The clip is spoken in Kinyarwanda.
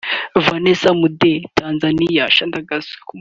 Vanessa Mdee(Tanzania)